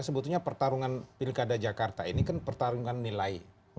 sebetulnya pertarungan pilkada jakarta ini kan pertarungan nilai